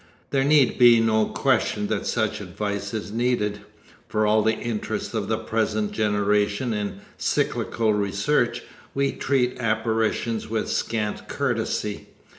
There need be no question that such advice is needed. For all the interest of the present generation in psychical research, we treat apparitions with scant courtesy.